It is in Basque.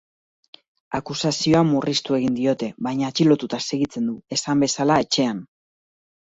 Akusazioa murriztu egin diote baina atxilotuta segitzen du, esan bezala etxean.